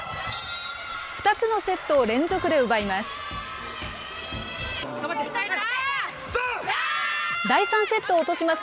２つのセットを連続で奪います。